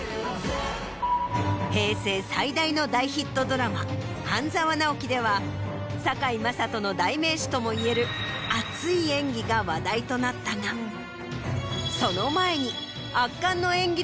平成最大の大ヒットドラマ『半沢直樹』では堺雅人の代名詞とも言える熱い演技が話題となったがその前に。